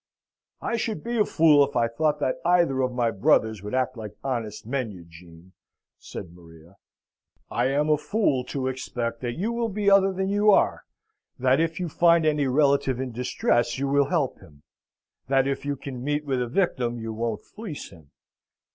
"I should be a fool if I thought that either of my brothers could act like an honest man, Eugene!" said Maria. "I am a fool to expect that you will be other than you are; that if you find any relative in distress you will help him; that if you can meet with a victim you won't fleece him."